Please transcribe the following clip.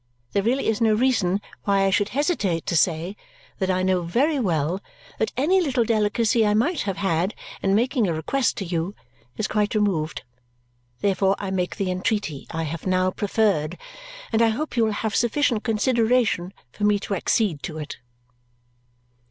There really is no reason why I should hesitate to say that I know very well that any little delicacy I might have had in making a request to you is quite removed. Therefore I make the entreaty I have now preferred, and I hope you will have sufficient consideration for me to accede to it."